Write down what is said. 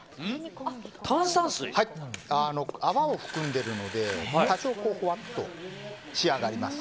泡を含んでいるので多少、ほわっと仕上がります。